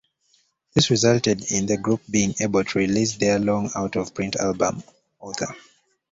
This resulted in the group being able to release their long out-of-print album Author!